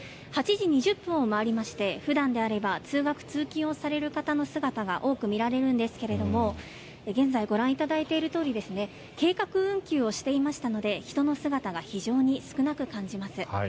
８時２０分を回りまして普段であれば通学・通勤をされる方の姿が多く見られるんですけれども現在、ご覧いただいているとおり計画運休をしていましたので人の姿が非常に少なく感じます。